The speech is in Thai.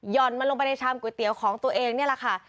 ่อนมันลงไปในชามก๋วยเตี๋ยวของตัวเองนี่แหละค่ะ